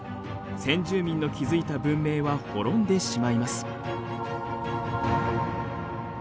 先住民の築いた文明は滅んでしまいます。